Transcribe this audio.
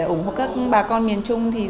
ủng hộ các bà con miền trung thì